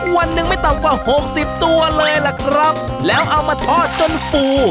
วันหนึ่งไม่ต่ำกว่าหกสิบตัวเลยล่ะครับแล้วเอามาทอดจนฟู